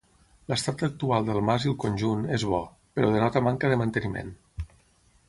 L’estat actual del mas i el conjunt, és bo, però denota manca de manteniment.